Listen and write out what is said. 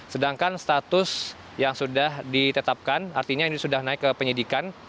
sedangkan status yang sudah ditetapkan artinya ini sudah naik ke penyidikan